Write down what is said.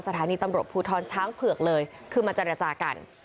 สถานีตำรวจภูทรช้างเผือกเลยคือมาเจรจากัน